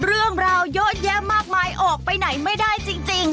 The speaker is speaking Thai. เรื่องราวเยอะแยะมากมายออกไปไหนไม่ได้จริง